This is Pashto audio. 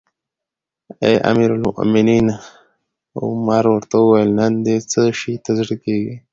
اې امیر المؤمنینه! عمر ورته وویل: نن دې څه شي ته زړه کیږي؟